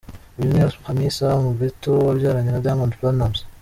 Uyu ni Hamisa Mobetto wabyaranye na Diamond Platnumz